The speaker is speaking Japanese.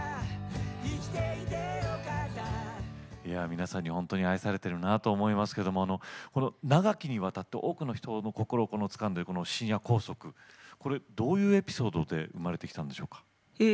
皆さんに本当に愛されているなと思いますけれども長きにわたって多くの人の心をつかんでいるこの「深夜高速」どういうエピソードで生まれてきたんでしょうか。